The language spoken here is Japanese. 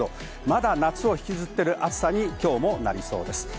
まだ夏を引きずっている暑さになりそうです。